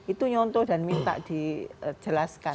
itu nyonto dan minta dijelaskan